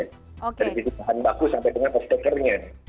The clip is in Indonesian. dari sisi tahan baku sampai dengan post takernya